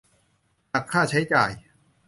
หักค่าใช้จ่าย